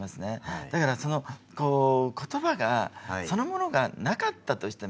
だからそのこう言葉がそのものがなかったとしても